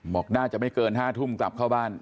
บอกน่าจะไม่เกิน๕ทุ่มกลับเข้าบ้าน